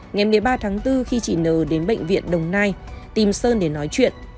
ngày ba tháng bốn khi chị n đến bệnh viện đồng nai tìm sơn để nói chuyện